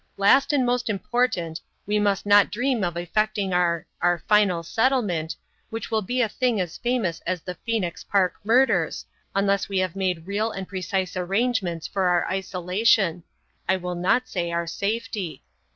Last and most important we must not dream of effecting our our final settlement, which will be a thing as famous as the Phoenix Park murders, unless we have made real and precise arrangements for our isolation I will not say our safety.